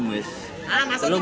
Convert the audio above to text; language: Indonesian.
mas ini masih antri mas